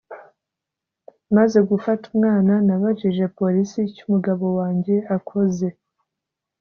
maze gufata umwana nabajije polisi icyo umugabo wanjye akoze